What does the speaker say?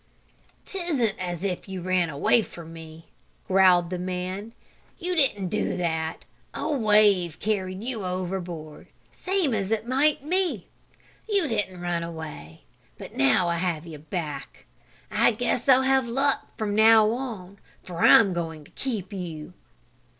"'Tisn't as if you ran away from me!" growled the man. "You didn't do that. A wave carried you overboard, same as it might me. You didn't run away, but now I have you back. I guess I'll have luck from now on, for I'm going to keep you."